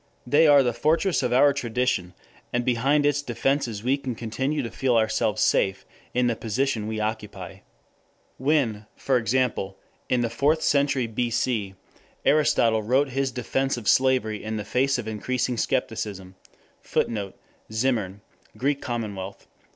They are the fortress of our tradition, and behind its defenses we can continue to feel ourselves safe in the position we occupy. 2 When, for example, in the fourth century B. C., Aristotle wrote his defense of slavery in the face of increasing skepticism, [Footnote: Zimmern: Greek Commonwealth.